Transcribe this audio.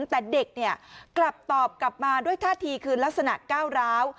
แต่เด็กเนี่ยกลับตอบกลับมาด้วยท่าทีคือลักษณะก้าวร้าว